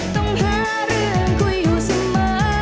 ต้องหาเรื่องคุยอยู่เสมอ